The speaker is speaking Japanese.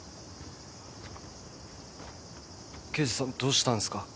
刑事さんどうしたんすか？